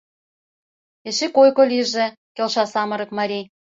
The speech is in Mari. — Эше койко лийже, — келша самырык марий.